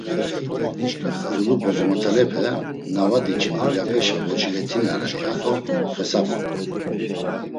Tzulu bozomotalepe na va diç̌in dulyapeşa voçulet̆inare, yado xesabumt̆u.